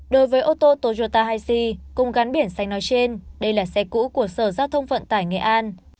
đối với ô tô toyota haisi cùng gắn biển xanh nói trên đây là xe cũ của sở giao thông vận tải nghệ an